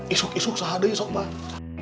isuk isuk sahadu isuk banget